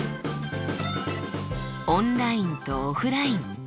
オンラインとオフライン。